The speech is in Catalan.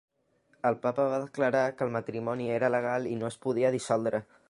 El papa va declarar que el matrimoni era legal i no es podia dissoldre.